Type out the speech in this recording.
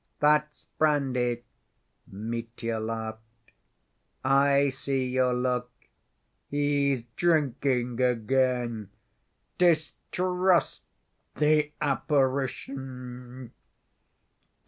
"That's brandy," Mitya laughed. "I see your look: 'He's drinking again!' Distrust the apparition.